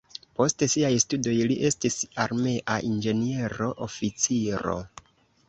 Post siaj studoj li estis armea inĝeniero-oficiro.